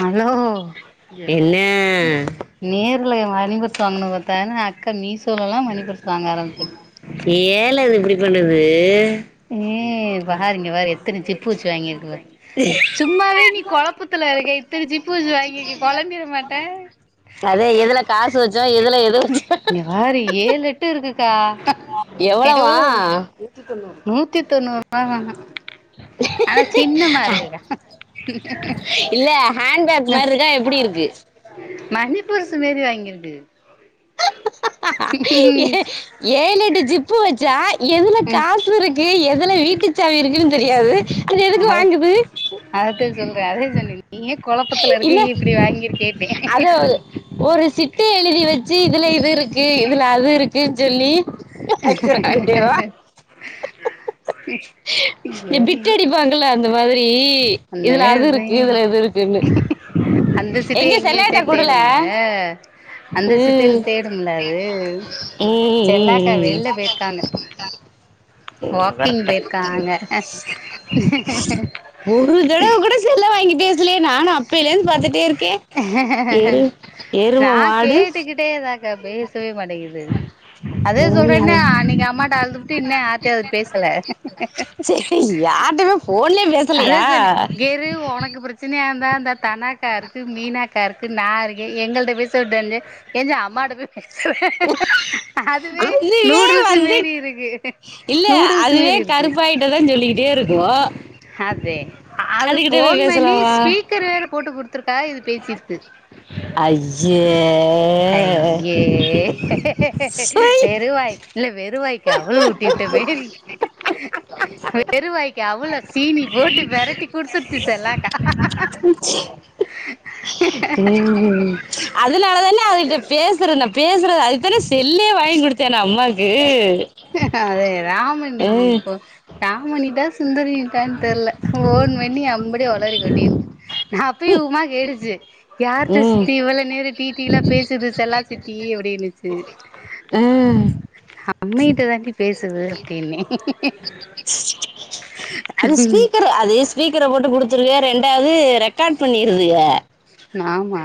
Hello என்ன நேர்ல money purse வாங்குனு பாத்த ஆனா அக்கா மீசோலெல்லா மணிபர்ஸ் வாங்க ஆரம்பிச்சு ஏல இது இப்டி பண்ணுது ஏ பாரு இங்க பாரு எத்துன சிப்பு வச்சி வாங்கிருக்கு பா சும்மாவே நீ கொழப்பத்ல இருக்க இப்ப இந்த சிப்பு வச்சு வாங்கிர்க்கியே கொழம்பிற மாட்ட சர்தே எதுல காசு வச்சோ எதுல எது வச்சோ இங்க பாரு ஏழெட்டு இருக்குக்கா எவ்வளவா எவ்வளவு நூத்தி தொண்ணூறுவாதானா ஆனா சின்னமா இருக்குக்கா இல்ல ஹேண்ட்பேக் மாரி இருக்கா எப்டி இருக்கு மணிப்பர்ஸ் மாரி வாங்கிருக்கு ம் ஏ ஏழெட்டு ஜிப்பு வச்சா எதுல ம் காசுருக் கு எதுல வீட்டு சாவி இருக்குன் தெரியாது அதுக் எதுக்கு அது வாங்குது அதத்தா சொல்ற அதே சொன்னே நீயே கொழப்பத்துல இருக்க இல்ல இ இப்டி வாங்கிருக்கியேன்னு அத ஒரு- ஒரு சிட்ட எழுதி வச்சு இதுல இது இருக்கு இதுல அது இருக்குன் சொல்லி வச்சிருக்காண்டேவா [inaudible] எ ஐயோ நீங்க பிட்டடிப்பாங்கள அந்த மாதிரி அந்த இதுல மேரி அது ஒரு இருக்கு ட்ரைனிங் இதுல இது இருக்குன்னு அந்த எங்க சிட்டய எங்கே செல்லாட்ட வச்சேன் குடுல தேடும்ல அந்த சிட்டைல ம் தேடும்ல அது செல்லாக்கா வெள்ல போயிருக்காங்க [inaudible] ம் வாக்கிங் கரெக்ட் போயிருக்காங்க ஒரு தடவ கூட செல்லு வாங்கி பேசலையே நானு அப்பைலேந்து பாத்துட்டே இருக்கே எரு நா எருமமா கேட்டுக்கிட்டே தாக்கா பேசவே மாட்டேங்குது அதே சொல்றேன்னே அன்னைக்கு அம்மாட்ட அழுதுபுட்டு இன்னு யார்டேயு அது பேசல யாிட்டயுமே ஃபோ அதே சொன்ன இங்கேரு ஒனக்கு பிரச்சனையா இருந்தா இந்த தனா க்கா இருக்கு மீனாக்கா இருக்கு நா இருக்கே எங்கள்ட்ட பேச வுட்டு வந்து எந்த அம்மாட்ட போய் [unintelligible] அதுவே நூடுல்ஸ் மேரி இருக்கு இல்ல நூடுல்ஸ் அதுவே மாரி இருக்கு கருப்பாயிட்டதா சொல்லிக்ட்டே இருக்கு அதே அது அதுகிட்ட போய் ஃபோன் பண்ணி பேசலாமா ஸ்பீக்கர் வேற போட்டு குத்துருக்காக இது பேசிருக்கு அய்யே அய்யே சொய் வெறுவாய் இல்ல வெறுவாய் க்கி அவலு ஊட்டி உட்ட மேரி வெறுவாய்க்கு அவல சீனி போட்டு பெரட்டி குடுத்துடுச்சு செல்லாக்கா [unintelligible] ஹ [inaudible] ம் ஹு அதனால தான அதுகிட்ட பேசுற பேசுறது அதுகுத்தான செல் [unintelligible] வாங்கி குடுத்தேனா அம்மாக்கு அதே ராமனி ம் இப்போ ராமணிட்டா சுந்தரின் டைம் தெர்ல ஃபோன் பண்ணி அம்படியே ஒளரி கொட்டிருக்கு நா அப்பயே உமாக் கேட்டுச்சு யாரிட்ட ம் சித்தி இவ்வளோ நேர டீ தீலா பேசுது செல்லா சித்தி அப்படின்னுச்சு ம் அம்மகிட்ட தாண்டி பேசுது அப்டின்னே அது ம் ஸ்பீக்கர் அது ஸ்பீக்கர போட்டு கு டுத்துருக்க ரெண்டாவது ரெக்கார்ட் பண்ணிருதுக ஆமா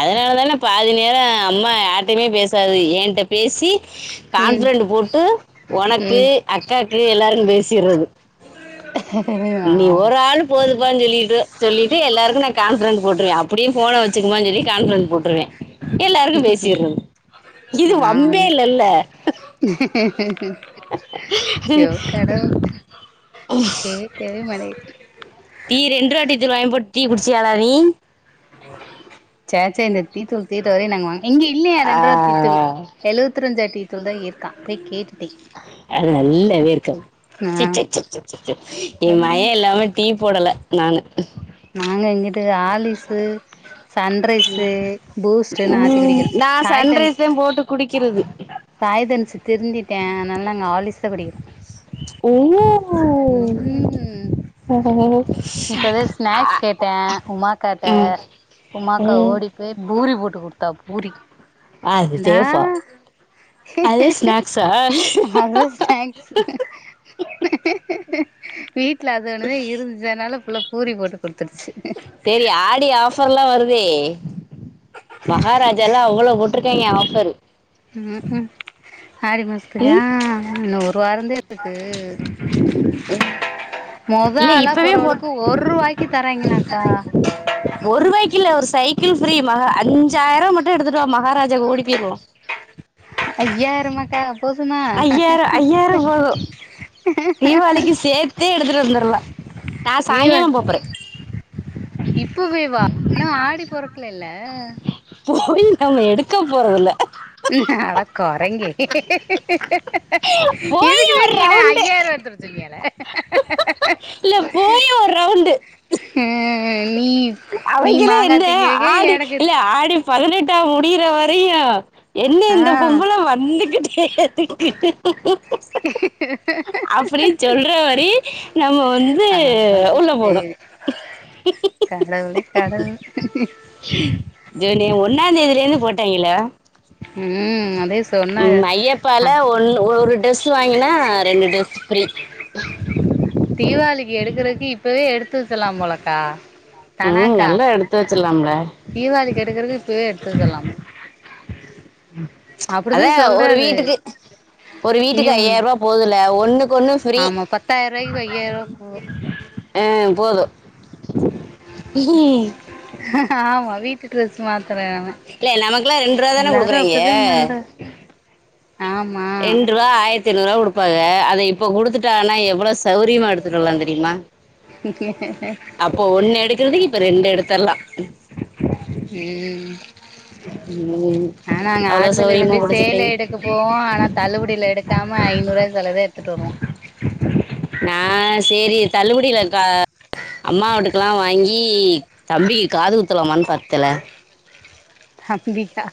அதனாலதான பாதி நேர அம்மா யார்ட்டயுமே பேசாது ஏன்ட்ட பேசி ம் கான்பிரன்ட் போட்டு உனக்கு ம் அக்காக்கு எல்லாருக்கு பேசிறது இனி ஆமா ஒரு ஆள் போதுப்பான்னு சொல்லிட்டு சொல்லிட்டு எல்லாருக்கு நா கான்பிரென்ட் போட்ருவே அப்படி ஃபோனை வச்சுக்கமான்னு சொல்லி கான்பிரன்ட் போட்ருவே எல்லாருக்கு பேசிறது இது வம்பே இல்லல்ல சோ கடவுளே தெவுமலை டீ ரெண்ட்ருவா டீத்துள் வாங்கி போட்டு டீ குடிச்சியாலா நீ சேச்சே இந்த டீத்தூள் தீர வரையு நாங்க வாங்க இங்க இல்லயா ஆ, ரெண்ட்ருவா தீத்தூள் எழுவத்த ரஞ்சா டீ தூள் தான் இருக்கான் போய் கேட்டுட்டே அது நல்லாவே இர்க்காது ஆ ச்சே ச்சே ச்சே ஏன் அதுனா மயன் இல்லாம டீ போடல நானு நாங்க இங்குட்டு ஆர்லிஸு சன்ரைஸு பூஸ்ட்ட்ன்னு ஆத்தி உம், குடிக்கிறோ நான் சாய் தன்ஸ் சன்ரைஸ் தான் போட்டு குடிக்கிறது சாய் தன்ஸ் திருந்திட்டா அதனால நாங்க ஆர்லிஸ்தா குடிக்கிறோ உங்க ம் இப்பதா [inaudible] ஸ்நாக்ஸ் கேட்ட உமாக்காட்ட உமாக்கா ம். ஓடி பெ பூரி போட்டு குடுத்தா பூரி அது லா சேஃபா அது ஸ்நாக்ஸா அதஸ் தேங்க்ஸ் வீட்ல அது ஒன்னுதே இருந் அதனால ஃபுள்ள பூரி போட்டு குடுத்துருச்சு செரி ஆடி ஆஃபர்ல்லா வருதே மகாராஜால்லா அவ்ளோ போட்ருக்காய்ங்க ஆஃபரு ம் க்கு ஆரி பஸ் விட்ருக்கா ம் இன்னு ஒரு வாரந்தே இருக்கு மொத இல்ல ஆளா இப்பவே போட் போறவகளுக்கு ஒரு ரூவாய்க்கு தரா ய்ங்களாக்கா ஒருவாய்க்கில்ல ஒரு சைக்கிள் ஃப்ரீ மகா அஞ்சாயிரம் மட்டு எடுத்துட்டுவா மகாராஜாக்கு ஓடிபோயிருவோ ஐய்யாயிர மாக்க ஐய்யாயிர ஐய்யாயிர போது தீவாளிக்கு சேத்தே எடுத்துட்டு வந்துரல நா சாயங்கால போப்போறே இப்பவே வாஆனா ஆடி பொறக்கலல்ல போய் நம்ம எடுக்க போறதுல ம் அட கொரங்கே போய் இதுக்குதா ஒரு நீ என்ன ரவுண்டு ஐயாயிருவா எடுத்துட்டு வரச்சொன்னியால இல்ல போய் ஒரு ரவுண்டு நீ நீ அவைக்குல்ல மாங்கா என்ன திங்கிறக்கு ஆடு எனக்கு இல்ல ஆடி பதினெட்டா முடியிற வரையு என்னா ஆ இந்த பொம்பல வந்துகிட்டே இருக்கு அப்படின் சொல்ற வரயு நம்ம வந்து அது உள்ள போணு சரி கடவுளே கடவுளே ஜூனு ஒன்னாந்தேதியில இருந்து போட்டாய்ங்கல்ல ம் அதே சொன்னாங்க ம் ஐயப்பால ஒன்னு ஒரு ட்ரரெஸ் வாங்கினா ரெண்டு ட்ரெஸ் ஃப்ரீ தீபாவளிக்கு எடுக்கறக்கு இப்பவே எடுத்து வச்சலாம் போலக்கா ம் தனாக்கா நல்லா எடுத்து வச்சிடலாம்ல தீவாளிக்கு எடுக்கிறதுக்கு இப்பவயே எடுத்து வச்சுல்லாம் ம் அப்படிதா அதா ஒரு சொல்றாரு வீட்டுக்கு ஒரு வீட்டுக்கு இங்கேயும் ஐயாயிரரூவா போதுல ஒண்ணுக்கு ஒண்ணு ஃப்ரீ ஆமா பத்தாயிர ரூபாய்க்கு ஐயாயிர ரூபா [inaudible] ஆ போது [inaudible] ஆமா வீட் டு ட்ரெஸ் மாத்துற அவ இல்ல நமக்கெல்லா ரெண்டு ரூபா தான எல்லாரு அப்டிதா குடுக்குறாய்ங்க பன்ற ஆமா எண்ட்ரூவா ஆயிரத்திஐநூரூவா குடுப்பாக அத இப்ப குடுத்துட்டான்னா எவ்வளோ சௌரியமா எத்துட்டு வரலா தெரியுமா அப்போ ஒண்ணு எடுக்கறதுக்கு இப்ப ரெண்டு எடுத்தர்லா ம் நீ ஆனா நா ஆடுதல்ல எடுப்பே சேல எடுக்க போவோ ஆனால தள்ளுபடியில எடுக்காம ஐநூறுூவா செலவே எடுத்துட்டு வருவோ நா சேரி தள்ளுபடியிலக்கா அம்மா வீட்டுக்கெல்லா வாங்கி தம்பிக்கு காது குத்துலமான் பத்தல அப்பிடிக்கா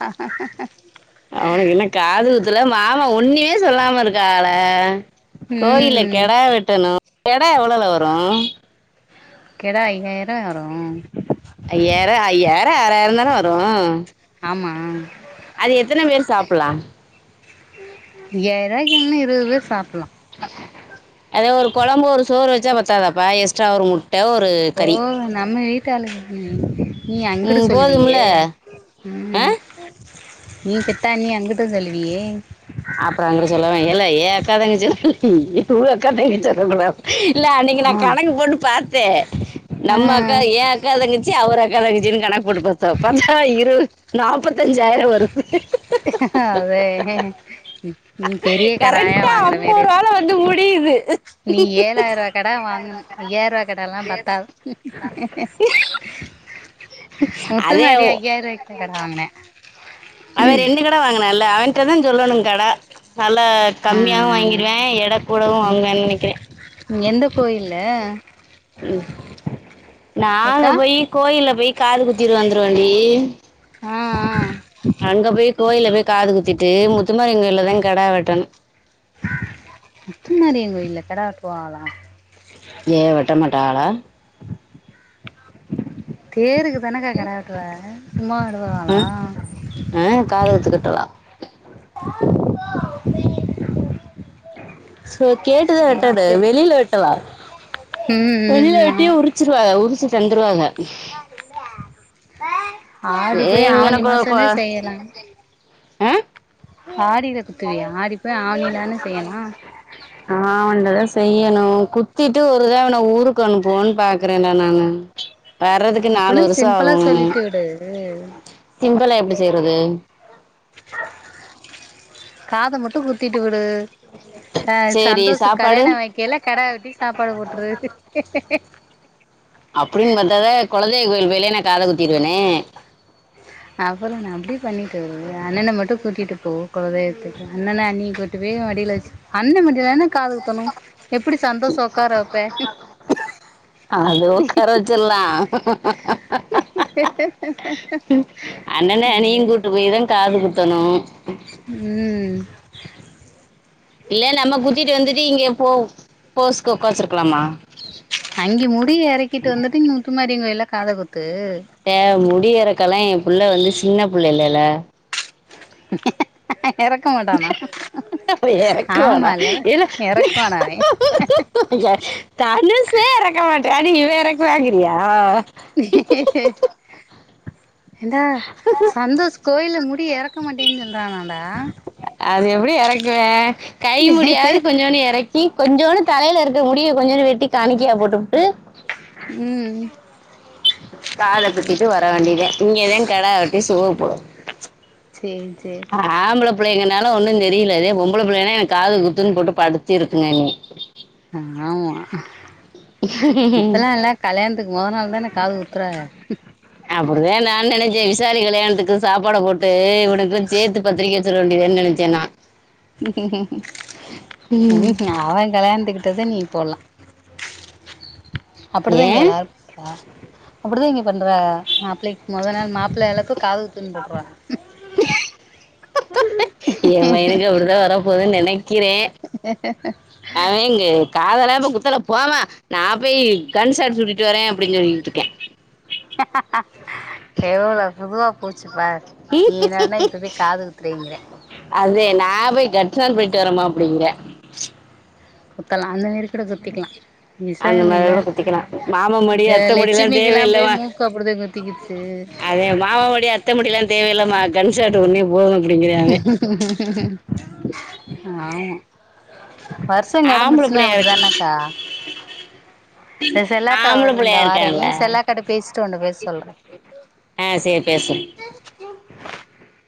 அவனுக்கு இன்னு காதுகுத்தல மாமா ஒண்ணுமே சொல்லாம இருக்காகல கோயில்ல ம் கெடா வெட்டணு கெடா எவ்வளவுல வரு கடா ஐயாயிரூவா வரு ஐயாயிர ஐயாயிர ஆறாயிரந்தான வரு ஆமா அது எத்தன பேர் சாப்பலா ஐய்யாரூபாய்க்கு இருவது பேர் சாப்பில்லா அதா ஒரு கொழம்பு ஒரு சோறு வச்சா பத்தாதாப்பா எக்ஸ்ட்ரா ஒரு முட் ஓ நம்ம வீட்டு ஆளு [unintelligible] நீ அங்கிடு ம் போதும்ல சொல்லுவியே ஆ ம் நீ பெத்தா நீ அங்குட்டு செல்லுவியே அப்பற அங்குட்டு சொல்லுவ ஏல ஏ அக்கா தங்கச்சில நியீ து அக்கா தங்கச்சிலா சொல்ல கூட இல்ல அன்னைக்கு நா ஆ கணக்கு போட்டு பாத்தே ஆ நம்ம அக்கா ஏ அக்கா தங்கச்சி அவரு அக்கா தங்கச்சின்னு கணக்கு போட்டு பாத்தோ பாத்தா இரு நாப்பத்தஞ்சாயிர வருது நி நீ பெரிய கடாயா வாங்குற மாரி டீது நீ ஏழாயிரரூவா கடா வாங்கணு ஐயாயிரரூவா கடால்லா பத்தாது முத்து அதே மாரி ஐயாயிரூவாய்க்கிட்ட கட வாங்கினே அவ ரெண்டு கடா வாங்கனான்ல்ல அவன்ட்டதா சொல்லணு கடா நல்லா ஆ கம்மியாவு வாங்கிடுவே எட கூடவு வாங்கிவான்னு நெனைக்கிறே எந்த கோயில்லு ம் நாங்க அக்கா போய் கோயில்ல போய் காது குத்திட்டு வந்துருவோண்டி ஆ ஆ அங்க போய் கோயில்ல போய் காது குத்திட்டு முத்துமாரி கோய்லங்கதா கடா வெட்டனு முத்து மாரியங் கோயில்ல கடா வெட்டுவாகலா ஏ வெட்ட மாட்டாகளா தேருக்கு தானக்க கடா வெட்டுவாக சும்மா ஆ வருவாகளா ஆ காதுத்து கிட்டதா சோ கேட்டுத சேரி வெட்டடு சேரி வெளில வெட்டதா ம் ம் வெளியில ஆமா வெட்டிய உரி வச்சிருவாக உரிச்சு தந்துருவாங்க ஆரிங்கள ச் ஏய் இங்கன கோ கோ ஆ ஆடியில குத்துவியா ஆடி போய் ஆவணி தான செய்யணு ஆவணிலதா செய்யணு குத்திட்டு ஒருத அவன ஊருக்கு அனுப்புவோன்னு பாக்குறேன்டா நானு வர்றதுக்கு நாலு அப்பன்னா வருஷ சிம்பிளா ஆகு சொல்லிட்டு விடு சிம்பலா எப்டி செய்றது காத மட்டு குத்திட்டு விடு ஆ சேரி சந்தோஷுக் கல்யாண சாப்பாடு வக்கையில கெடா வெட்டி சாப்பாடு போட்டுரு அப்டின்னு பாத்தாதா கொலதெய்வ கோயில்லே நா காத குத்திடுவேனே அப்பற என்ன அப்டியே பண்ணிடு அண்ணன மட்டு கூட்டிட்டு போ கொலதெய்வத்துக்கு அண்ணன அண்ணியு கூட் டிட்டு போய் மடியில வச்சு அண்ட் மடியில தான் காது குத்தணு எப்டி சந்தோஷ உக்கார வப்பே அது உக்கார வச்சிர்லா அண்ணன அண்ணியு கூட்டு போய்தா காது குத்தணு ம் இல்ல நம்ம குத்திட்டு வந்துட்டு இங்க போ போஸ்க்கு உக்காச்சிருக்கலாமா அங்க முடிய எறக்கிட்டு வந்துட்டு இங் முத்து மாரிங் கோயில்லா காத குத்து தே முடி எறக்கெல்லா எ புள்ள வந்து சின்ன புள்ள இல்லல்ல எறக்க மாட்டானா இறக்குவாடா ஆமால்ல எறக்குவானா அவே தனுஷே எறக்க மாட்டா நீ எறக்குவாங்கிறியா உ என்டா சந்தோஷ் கோயில்ல முடி எறக்க மாட்டேன்னு சொல்றானாடா அது எப்டி எறக்குவா கை முடியாது கொஞ்சோன்டு எறக் கி கொஞ்சோன்டு தலையில இருக்கற முடிய கொஞ்சோன்டு வெட்டி காணிக்கையா போட்டுப்புட்டு ம் காத சேரி குத்திட்டு வர வேண்டியதா இங்கதா கடா வெட்டி சோறு போடு சேரி சேரி ஆம்புள புள்ளைங்கனால ஒன்னு தெரியில இதே பொம்பள புள்ளைன்னா எனக் காது குத்துன்னு போட்டு படித்திருக்குங்க என்னைய ஆ ஆமா இப்பல்லா எல்லா கல்யாணத்துக்கு மொத நாள் தான காது குத்துறாங்க அப்டிதா நா நெனைச்சே விசாலி கல்யாணத்துக்கு சாப்பாட போட்டு இவனுக்கு சே்த்து பத்திரிக்க வச்சிட்டு வந்த்ருவ நெனைச்சே நா ம்ஹு அவ கல்யாணத்துக்கிட்டதா நீ போட்லா அப்டிதா இங்க ஏன் எல்லாரு அப்டிதா இங்க பண்றாக மாப்பிள்ளைக் மொதோ நாள் மாப்புள அழைப்பு காதுகுத்துனு போட்றாக ஏ பையனுக்கு அப்டிதா வரப் போதுன்னு நெனைக்கிறே உ அவே எங்க காதல்லா இப்ப குத்தல போமா நா போய் கன்சாட் சுட்டிட்டு வரே அப்டின்னு சொல்லிட்டு இருக்கா எவளோ இதுவா போச்சு பாரு நீ என்னன்னா இப்போ போய் காது குத்துறேங்கிற அதே நா போய் கட்சான் போயிட்டு வரேமா அப்டிங்கா குத்தலா அந்த மேரி கூட குத்திக்கலா அந்த விசன்னு மாதிரி இருந்தா கூட குத்திக்கலாம் மாமா மடி இப்ப அத்தை முடியெல்லா லெட்சுமிக்கு எல்லா தேவையில்லமா போய் மூக்கு அப்டிதா குத்தக்கிச்சு அதே மாமா மடி அத்த மடி எல்லா தேவயில்லம்மா கண்சாட்டு ஒன்னே போது அப்படிங்கிறா அவே ஆமா வருஷம் ஆம்பள கடந்துருச்சுன்னா புள்ளையா இருக்கு அப்டிதானக்கா இந்த செல்லாக்கா ஆம்பள வருது இந்தா புள்ளையா வாறே இருக்கான்ல ஏன் செல்லாக்காட்ட பேசிட்டு உன்ட பேச சொல்றே ஆ சேரி பேசு